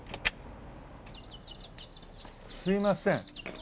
すいません。